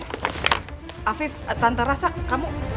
afif tante rasa kamu